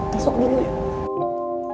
masuk dulu ya